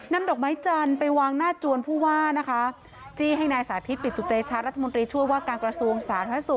ดอกไม้จันทร์ไปวางหน้าจวนผู้ว่านะคะจี้ให้นายสาธิตปิตุเตชะรัฐมนตรีช่วยว่าการกระทรวงสาธารณสุข